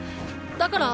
だから。